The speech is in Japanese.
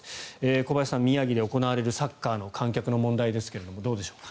小林さん、宮城で行われるサッカーの観客の問題ですがどうでしょうか。